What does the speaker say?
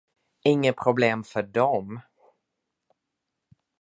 Inga problem för dem.